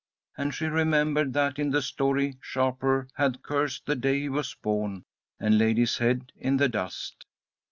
And she remembered that in the story Shapur had cursed the day he was born, and laid his head in the dust.